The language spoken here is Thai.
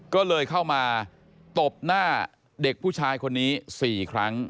ก็เลยเข้ามาตบหน้าเด็กผู้ชายคนนี้๔ครั้ง